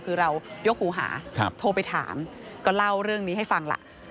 คือเรายกหูหาโทรไปถามก็เล่าเรื่องนี้ให้ฟังล่ะ